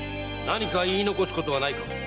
何か言い残すことはないか？